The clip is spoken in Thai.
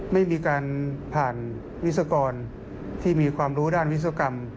ไม่มีการผ่านวิศกรที่มีความรู้ด้านวิศวกรรม